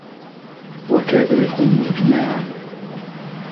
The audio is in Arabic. وكاد يكون إجماعاً